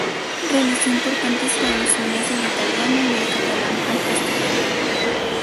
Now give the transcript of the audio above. Realizó importantes traducciones del italiano y el catalán al castellano.